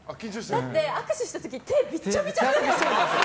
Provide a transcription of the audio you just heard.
だって握手した時手、びっちゃびちゃで。